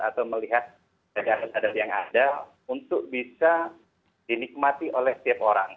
atau melihat adat adat yang ada untuk bisa dinikmati oleh setiap orang